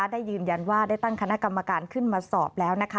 ได้ยืนยันว่าได้ตั้งคณะกรรมการขึ้นมาสอบแล้วนะคะ